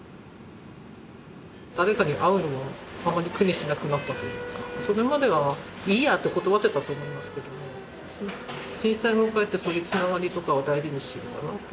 誰かに会うのをあまり苦にしなくなったというかそれまではいいやって断ってたと思いますけども震災後かえってそういうつながりとかは大事にしようかなと。